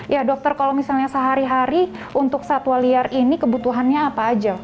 ya dokter kalau misalnya sehari hari untuk satwa liar ini kebutuhannya apa aja